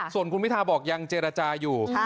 ส่วนคุณพิทาบอกยังเจรจาอยู่